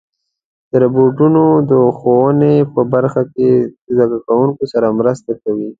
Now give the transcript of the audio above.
روبوټونه د ښوونې په برخه کې زدهکوونکو سره مرسته کوي.